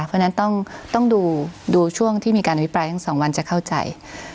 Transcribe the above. เพราะฉะนั้นต้องดูช่วงที่มีการอภิปรายทั้งสองวันจะเข้าใจ